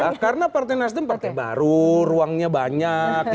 bukan juga karena partai nasdem partai baru ruangnya banyak